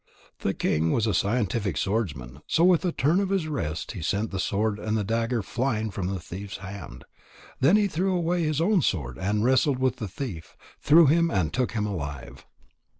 The king was a scientific swordsman, so with a turn of his wrist he sent the sword and the dagger flying from the thief's hand. Then he threw away his own sword, wrestled with the thief, threw him, and took him alive.